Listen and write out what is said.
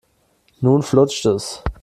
Nun flutscht es.